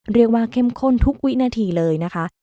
เรียกว่าเข้มข้นทุกวินาทีเลยนะคะ